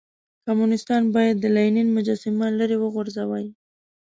کمونيستان بايد د لينن مجسمه ليرې وغورځوئ.